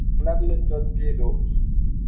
Mo laɓ ne jolle pii ɗo.